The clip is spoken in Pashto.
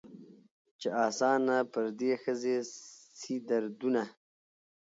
چي آسانه پر دې ښځي سي دردونه